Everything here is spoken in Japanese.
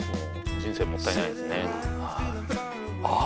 人生もったいないですねああ